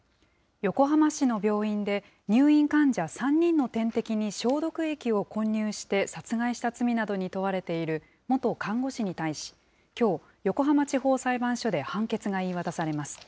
横浜市の病院で、入院患者３人の点滴に消毒液を混入して殺害した罪などに問われている元看護師に対し、きょう、横浜地方裁判所で判決が言い渡されます。